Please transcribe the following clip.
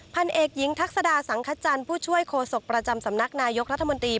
พันเอกหญิงทักษดาสังคจันทร์ผู้ช่วยโคศกประจำสำนักนายกรัฐมนตรี